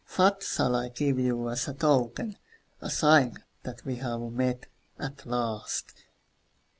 What shall I give you as a token, A sign that we have met, at last?